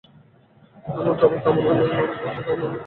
আমার ধনের কামনা নাই, নাম-যশের কামনা নাই, ভোগের কামনা নাই।